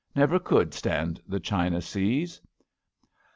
Never could stand the China seas."